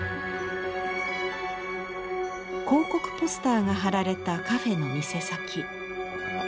広告ポスターが張られたカフェの店先。